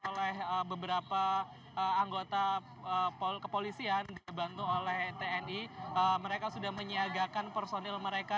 oleh beberapa anggota kepolisian dibantu oleh tni mereka sudah menyiagakan personil mereka